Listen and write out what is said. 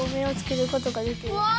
うわ！